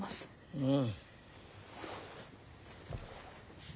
うん。